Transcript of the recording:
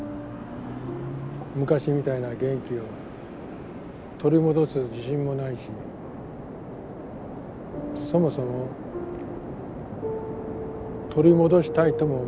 昔みたいな元気を取り戻す自信もないしそもそも取り戻したいとも思わない。